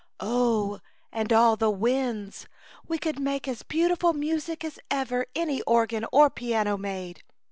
"Oh! and all the winds. We could make as beautiful music as ever any organ or piano made."